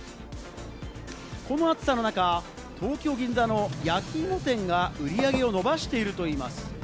この暑さの中、東京・銀座の焼き芋店が売り上げを伸ばしているといいます。